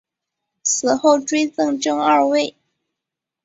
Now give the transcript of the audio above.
死后追赠正二位。